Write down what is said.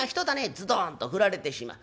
ズドンと振られてしまう。